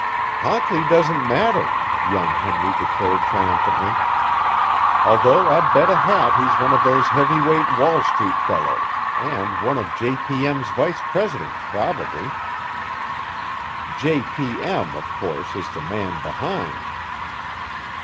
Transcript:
"Hockley doesn't matter," young Henry declared triumphantly, "although I'd bet a hat he's one of those heavy weight Wall Street fellows and one of J.P.M's vice presidents, probably. J.P.M., of course, is the man behind."